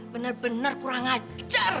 bener bener kurang ajar